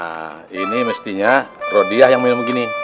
nah ini mestinya rodiah yang milih begini